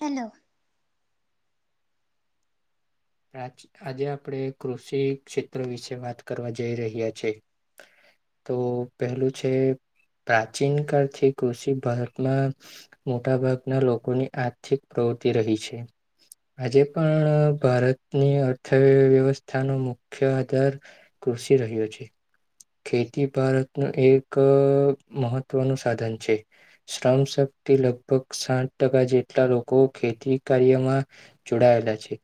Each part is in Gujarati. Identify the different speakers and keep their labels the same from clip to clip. Speaker 1: હેલો
Speaker 2: આજ આજે આપડે કૃષિ ક્ષેત્ર વિશે વાત કરવા જઈ રહ્યા છે. તો પેલું છે પ્રાચીન કાળથી કૃષિ ભારતમાં મોટા ભાગના લોકોની આર્થિક પ્રવૃતિ રહી છે. આજે પણ ભારત ની અર્થ વ્યવસ્થાનો મુખ્ય આધાર કૃષિ રહ્યો છે. ખેતી ભારતનું એક મહત્વનું સાધન છે. શ્રમ શક્તિ લગભગ સાઠ ટકા જેટલા લોકો ખેતી કાર્યમાં જોડાયેલા છે.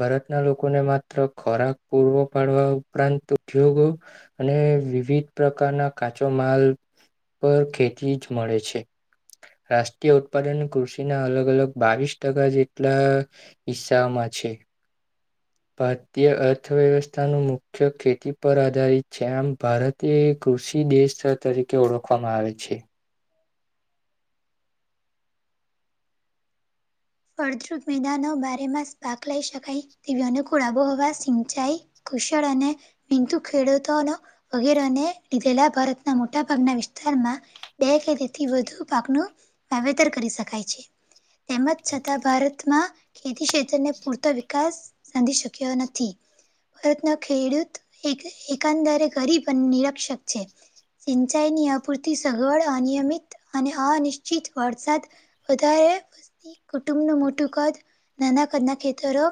Speaker 2: ભારતના લોકોને માત્ર ખોરાક પૂરો પાડવા ઉપરાંત ઉદ્યોગો અને વિવિધ પ્રકારના કાચો માલ પર ખેતી જ મળે છે રાષ્ટ્રીય ઉત્પાદન કૃષિના અલગ-અલગ બાવીસ ટકા જેટલા હિસ્સામાં છે. ભારતીય અર્થવ્યવસ્થાનું મુખ્ય ખેતી પર આધારિત છે એમ ભારતે કૃષિ દેશ તરીકે ઓળખવામાં આવે છે.
Speaker 1: અર્ધ્રુત મેદાનો બારેમાસ પાક લઈ શકાય તેવી અનુકૂળ આબોહવા સિંચાઈ કુશળ અને મિંતુ ખેડૂતોનો વગેરોને લીધેલા ભારતના મોટા ભાગના વિસ્તારમાં બે કે તેથી વધુ પાકનું વાવેતર કરી શકાય છે. તેમજ છતાં ભારતમાં ખેતી ક્ષેત્રને પૂરતો વિકાસ સાંધી શક્યો નથી. ભારત ના ખેડૂત એક એકાંદરે ગરીબ અને નિરક્ષક છે. સિંચાઈની અપૂરતી સગવડ, અનિયમિત અને અનિશ્ચિત વરસાદ વધારે કુંટુંબનું મોટું કદ, નાના કદના ખેતરો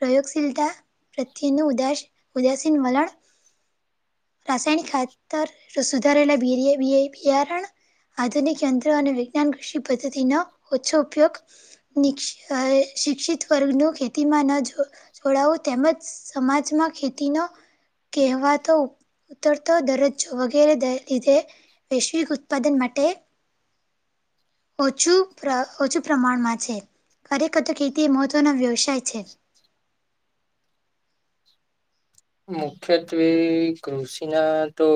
Speaker 1: પ્રયોગશીલતા પ્રત્યેનું ઉદાસ ઉદાસીન વલણ રાસાયણિક ખાતર, સુધારેલા બિર બિએ બિયારણ આધુનિક યંત્ર અને વિજ્ઞાન કૃષિ પદ્ધતિનો ઓછો ઉપયોગ નિક્ષી અહ શિક્ષિત વર્ગનું ખેતીમાં ન જો જોડાવો તેમજ સમાજમાં ખેતી નો કહેવાતો ઉતરતો દરજ્જો વગેરે દે લીધે વૈશ્વિક ઉત્પાદન માટે ઓછું પ્ર ઓછું પ્રમાણમાં છે. ખરેખર તો ખેતી એ મહત્વનો વ્યવસાય છે.
Speaker 2: મુખ્યત્વે કૃષિના તો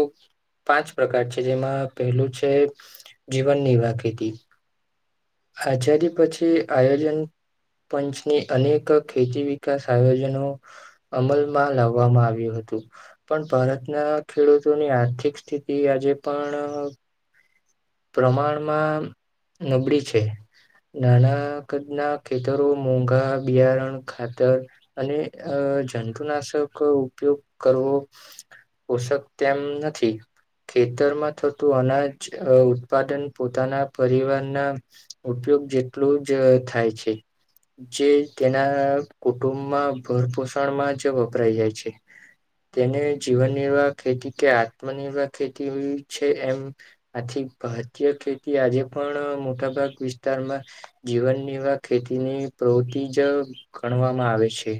Speaker 2: પાંચ પ્રકાર છે, જેમાં પહેલું છે જીવન નિવાહ ખેતી આજાદી પછી આયોજન પંચની અનેક ખેતી વિકાસ આયોજનો અમલમાં લાવવામાં આવ્યું હતું. પણ ભારતના ખેડૂતોની આર્થિક સ્થિતિ આજે પણ પ્રમાણમાં નબળી છ એ. નાના કદ ના ખેતરો મોંઘા બિયારણ ખાતર અને અહ જંતુનાશક ઉપયોગ કરવો પોષક તેમ નથી ખેતરમાં થતું અનાજ અહ ઉત્પાદન પોતાના પરિવારના ઉપયોગ જેટલું જ અહ થાય છે. જે તેના કુટુંબમાં ભરપોષણમાં જ વપરાય જાય છે. તેને જીવન નિર્વાહ ખેતી કે આત્મનિર્વાર ખેતી છે એમ આથી ભારતીય ખેતી આજે પણ મોટાભાગ વિસ્તારમાં જીવન નિર્વાહ ખેતીની પ્રવૃત્તિ જ ગણવામાં આવે છે.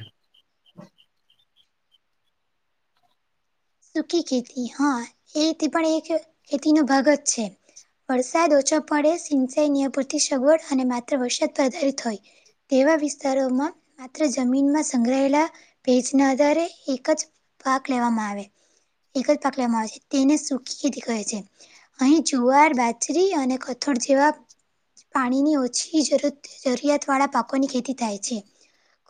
Speaker 1: સુકી ખેતી, હા એથી પણ એક ખેતીનો ભાગ જ છે. વરસાદ ઓછો પડે, સિંચાઈની અપૂરતી સગવડ અને માત્ર વરસાદ આધારિત હોય તેવા વિસ્તારોમાં માત્ર જમીનમાં સંગ્રહાયેલા ભેજના આધારે એક જ પાક લેવામાં આવે. એક જ પાક લેવામાં આવે છે, તેને સૂકી ખેતી કહે છે. અહીં જુવાર, બાજરી અને કથોળ જેવા પાણીની ઓછી જરૂત જરૂરિયાત વાળા પાકોની ખેતી થાય છે.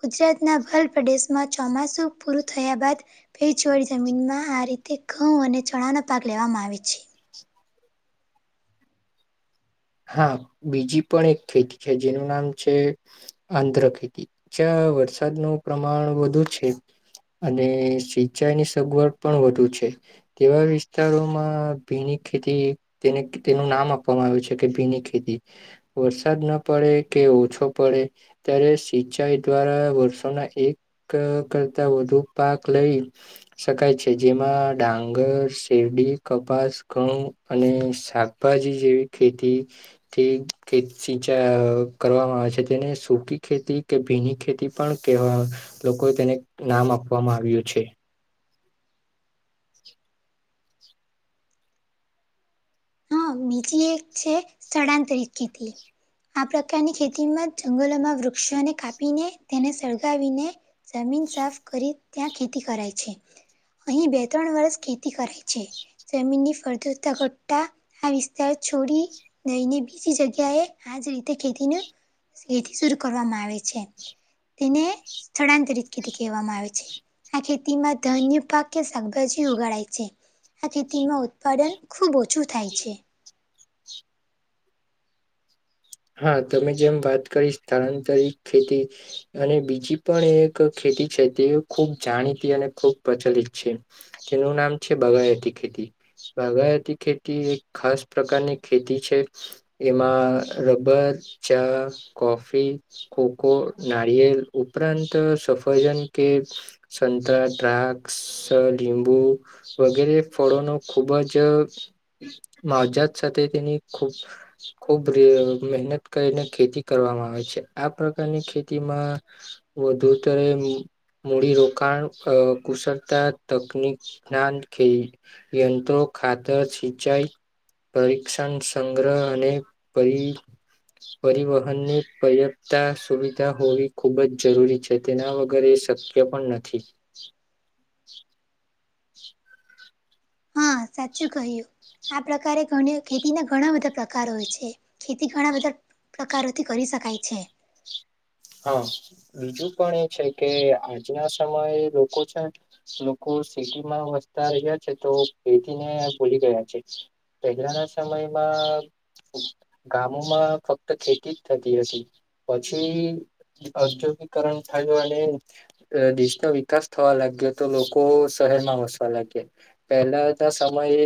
Speaker 1: ગુજરાતના ભાલ પ્રદેશમાં ચોમાસું પૂરું થયા બાદ ભેજવાળી જમીનમાં આ રીતે ઘઉં અને ચણા ના પાક લેવામાં આવે છે.
Speaker 2: હા. બીજી પણ એક ખેતી છે જેનું નામ છે આંધ્ર ખેતી. જ્યાં વરસાદનું પ્રમાણ વધુ છે અને સિંચાઈ ની સગવડ પણ વધુ છે. તેવા વિસ્તારોમાં ભીની ખેતી, તેને તેનું નામ આપવામાં આવ્યું છે. કે ભીની ખેતી વરસાદ ના પડે કે ઓછો પડે, ત્યારે સિંચાઈ દ્વારા વર્ષોના એક કરતા વધુ પાક લઈ, શકાય છે જેમાં ડાંગર, શેરડી, કપાસ, ઘઉ. અને શાકભાજી જેવી ખેતી થી ખે સિંચાઈ કરવામાં આવે છે, તેને સૂકી ખેતી કે ભીની ખેતી પણ કેવા લોકો તેને નામ આપવામાં આવ્યું છે,
Speaker 1: હા, બીજી એક છે સ્થળાંતરિત ખેતી, આ પ્રકારની ખેતીમાં જંગલોમાં વૃક્ષોને કાપીને તેને સળગાવીને જમીન સાફ કરી ત્યાં ખેતી કરાય છે, અહીં બે- ત્રણ વર્ષ ખેતી કરાય છે, જમીનની ફળદ્રુપતા ઘટતા આ વિસ્તાર છોડી દઈને બીજી જગ્યાએ આજ રીતે ખેતીનું થી શરુ કરવામાં આવે છે, તેને સ્થળાંતરિતથી કહેવામાં આવે છે. આ ખેતીમાં ધાન્ય પાક કે શાકભાજી ઉગાડાય છે, આ ખેતીમાં ઉત્પાદન ખુબ ઓછું થાય છે.
Speaker 2: હા, તમે જેમ વાત કરી સ્થળંતરિત ખેતી અને બીજી પણ એક ખેતી છે, તે ખૂબ જાણીતી અને ખૂબ પ્રચલિત છે. તેનું નામ છે બગાયતી ખેતી, બાગાયતી ખેતી એક ખાસ પ્રકારની ખેતી છે એમાં, રબર, ચા, કોફી, કોકો, નારિયેલ ઉપરાંત સફરજન કે. સંતરા, દ્રાક્ષ, લીંબુ. વગેરે ફળોનો ખૂબ જ માવજાત સાથે તેની ખૂબ ખૂબ મહેનત કરીને ખેતી કરવામાં આવે છે, આ પ્રકારની ખેતીમાં વધુતરે મૂડીરોકાણ અ કુશળતા તકનીક જ્ઞાન થી યંત્રો, ખાતર, સિંચાઈ, પરીક્ષણ સંગ્રહ અને પરી પરિવહનની પર્યાપ્ત સુવિધા હોવી ખુબ જ જરૂરી છે તેના વગર શક ય પણ નથી. [inaudible]
Speaker 1: હા સાચું કહ્યું. આ પ્રકારે ઘળી ખેતીના ઘણા બધા પ્રકાર હોય છે, ખેતી ઘણા બધા પ્રકારોથી કરી શકાય છે.
Speaker 2: હા, બીજું પણ એ છે કે આજના સમયે લોકો છે. લોકો સિટી માં વસતા રહ્યા છે તો એથી ને ભૂલી ગયા છે. પેગ્ર ના સમયમાં ગામોમાં ફક્ત ખેતી જ થતી હતી, પછી ઔદ્યોગીકરણ થયું અને દેશનો વિકાસ થવા લાગ્યો તો લોકો શહેરમાં વસવા લાગ્યા. પહેલાતા સમય એ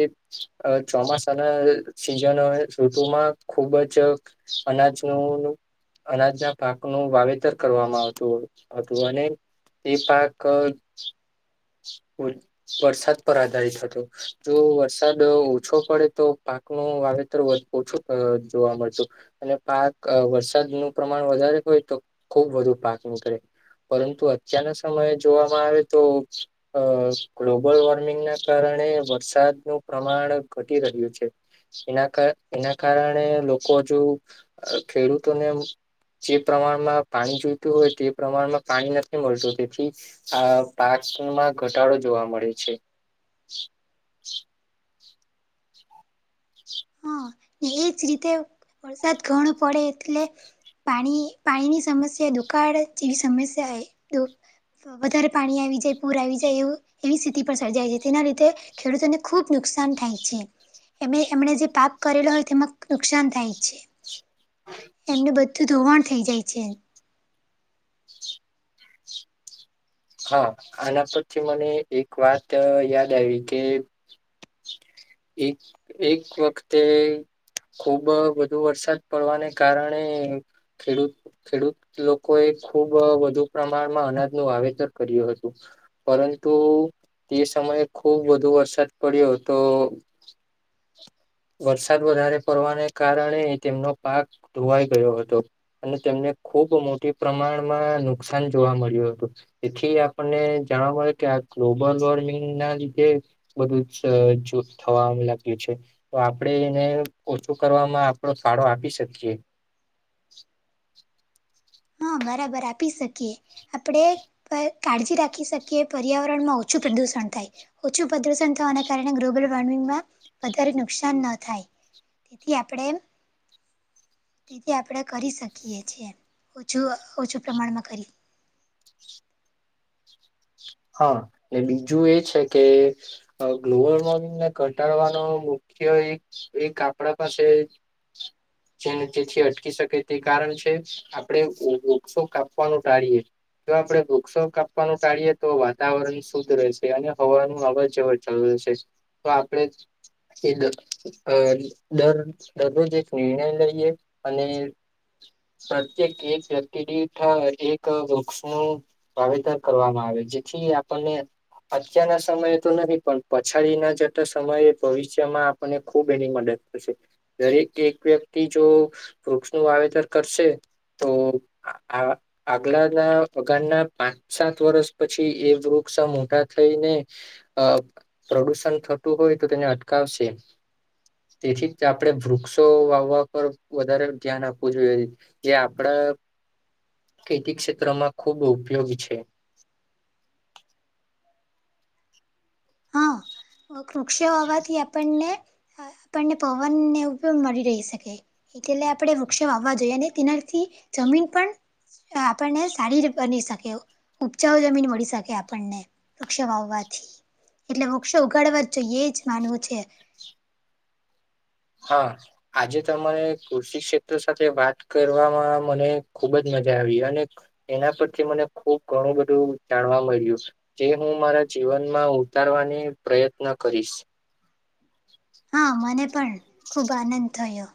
Speaker 2: અ ચોમાસાના સિઝન ઋતુમાં ખુબ જ અનાજનું અનાજ ના પાક પાક નું વાવેતર કરવામાં આવતું હતું અને તે પાક વરસાદ પર આધારિત હતો. જો વરસાદ ઓછો પડે તો પાકનું વાવેતર ઓછું જોવા મળતું. અને પાક વરસાદ નું પ્રમાણ વધારે હોય તો ખુબ વધુ પાક નીકળે પરંતુ અત્યારના સમયે જોવામાં આવે તો અ ગ્લોબલ વોર્મિંગના કારણે વરસાદનું પ્રમાણ ઘટી રહ્યું છે. એના કા એના કારણે લોકો અજુ ખેડૂતોને જે પ્રમાણમાં પાણી જોઈતું હોય તે પ્રમાણમાં પાણી નથી મળતું તેથી આ પાકમાં ઘટાડો જોવા મળે છે.
Speaker 1: હા ને એ જ રીતે વરસાદ ઘણો પડે એટલે પાણી પાણીની સમસ્યા દુકાળ જેવી સમસ્યા એ દુ વધારે પાણી આવી જાય, પૂર આવી જાય એવું એવી સ્થિતિ પર સર્જાય છે તેનાં લીધે ખેડૂતોને ખૂબ નુકસાન થાય છે એમે એમણે જે પાક કરેલો હોય તેમાં નુકસાન થાય છે. એમનું બધું ધોવાણ થઈ જાય છે.
Speaker 2: હા આના પરથી મને એક વાત યાદ આવી કે એક એક વખતે ખુબ વધુ વરસાદ પડવાને કારણે ખેડૂત ખેડૂત લોકોએ ખૂબ વધુ પ્રમાણમાં અનાજનું વાવેતર કર્યું હતું. પરંતુ તે સમયે ખુબ વધુ વરસાદ પડ્યો હતો. વરસાદ વધારે પડવાને કારણે તેમનો પાક ધોવાઈ ગયો હતો. અને તેમને ખુબ મોટી પ્રમાણમાં નુકસાન જોવા મળ્યું હતું. તેથી આપણને જાણવા મળે કે આ ગ્લોબલ વોર્મિંગના લીધે બધું જ છ જો થવાનું લાગ્યું છે. તો આપણે એને ઓછું કરવામાં આપણો ફાળો આપી શકીએ.
Speaker 1: હ બરાબર, આપી શકીએ. આપણે કાળજી રાખી શકીએ પર્યાવરણમાં ઓછું પ્રદૂષણ થાય. ઓછું પ્રદૂષણ થવાના કારણે ગ્લોબલ વોર્મિંગમાં વધારે નુકસાન ન થાય. તેથી આપણે તેથી આપણે કરી શકીએ છીએ. ઓછું ઓછું પ્રમાણમાં કરી
Speaker 2: હા ને બીજું એ છે કે ગ્લોબલ વોર્મિંગને ઘટાડવાનો મુખ્ય એક એક આપડા પાસે જેને જેથી અટકી શકે તે કારણ છે. આપડે વ વૃક્ષો કાપવાનું ટાળીયે જો આપડે વૃક્ષો કાપવાનું ટાળીયે તો વાતાવરણ શુદ્ધ રહેશે અને હવાનું અવરજવર ચાલુ રહેશે તો આપણે કે દર દરરોજ એક નિર્ણય લઈએ. અને પ્રત્યેક એક વ્યક્તિ દીઠ એક વૃક્ષનું વાવેતર કરવામાં આવે જેથી આપણને અત્યારના સમયે તો નથી પણ પછાડીના જતાં સમયે ભવિષ્યમાં આપણને ખૂબ એની મદદ થશે. દરેક એક વ્યક્તિ જો વૃક્ષનું વાવેતર કરશે તો આ આગલાના અગાળના પાંચ સાત વર્ષ પછી એ વૃક્ષ મોટા થઈને અ પ્રદૂષણ થતું હોય તો તેને અટકાવશે. તેથી જ આપણે વૃક્ષો વાવવા પર વધારે ધ્યાન આપવું જોઈએ. જે આપણા ખેતી ક્ષેત્રમાં ખૂબ ઉપયોગી છે.
Speaker 1: હા વૃક્ષો હોવાથી આપણને આપણને પવનને એવું પણ મળી રહી શકે. એટલે આપણે વૃક્ષો વાવવા જોઈએ અને તેનાથી જમીન પણ અ આપણને સારી ર બની શકે એવું. ઉપજાઉ જમીન મળી શકે આપણને વૃક્ષો વાવવાથી. એટલે વૃક્ષો ઉગાડવા જ જોઈએ એ જ માનવું છે.
Speaker 2: હા. આજે તો મને કૃષિ ક્ષેત્ર સાથે વાત કરવામાં મને ખૂબ જ મજા આવી અને એના પરથી મને ખૂબ ઘણું બધું જાણવા મળ્યું. જે હું મારા જીવનમાં ઉતારવાની પ્રયત્ન કરીશ.
Speaker 1: હા મને પણ ખૂબ આનંદ થયો.